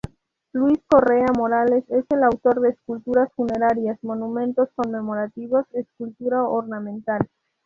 Lucio Correa Morales es autor de esculturas funerarias, monumentos conmemorativos, escultura ornamental.